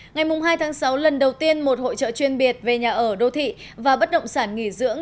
ngày hai tháng sáu lần đầu tiên một hội trợ chuyên biệt về nhà ở đô thị và bất động sản nghỉ dưỡng